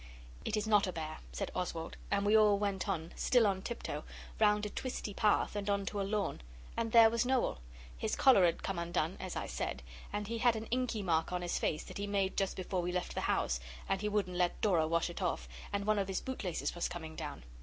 'It is not a bear,' said Oswald; and we all went on, still on tiptoe, round a twisty path and on to a lawn, and there was Noel. His collar had come undone, as I said, and he had an inky mark on his face that he made just before we left the house, and he wouldn't let Dora wash it off, and one of his bootlaces was coming down.